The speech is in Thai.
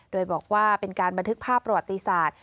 โดยบอกว่าเป็นการบันทึกภาพประวัติศาสตร์